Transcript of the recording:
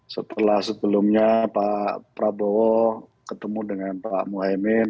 setelah sebelumnya pak prabowo ketemu dengan pak muhaymin